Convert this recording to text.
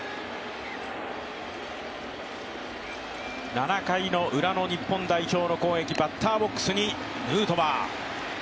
７回のウラの日本代表の攻撃バッターボックスにヌートバー。